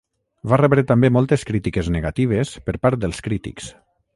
Va rebre també moltes crítiques negatives per part dels crítics.